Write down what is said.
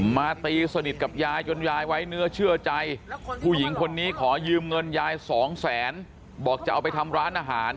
มาตีสนิทกับยายจนยายไว้เนื้อเชื่อใจผู้หญิงคนนี้ขอยืมเงินยายสองแสนบอกจะเอาไปทำร้านอาหาร